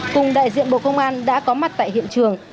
cùng đại diện bộ công an đã có mặt tại hiện trường